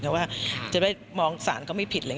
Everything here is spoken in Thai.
อย่างนี้ว่าจะได้มองสารก็ไม่ผิด